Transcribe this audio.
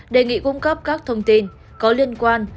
đề nghị cung cấp các thông tin có liên quan